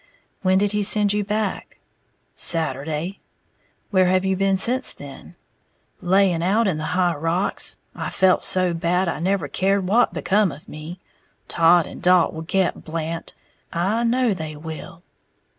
"When did he send you back?" "Saturday." "Where have you been since then?" "Laying out in the high rocks, I felt so bad I never cared what become of me. Todd and Dalt will get Blant, I know they will!"